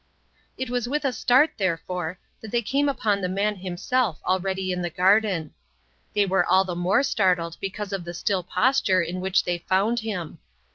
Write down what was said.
It was with a start, therefore, that they came upon the man himself already in the garden. They were all the more startled because of the still posture in which they found him.